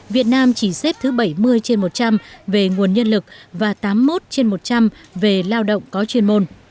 việt nam chỉ xếp thứ bảy mươi trên một trăm linh về nguồn nhân lực và tám mươi một trên một trăm linh về lao động có chuyên môn